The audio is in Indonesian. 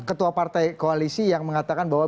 ketua partai koalisi yang mengatakan bahwa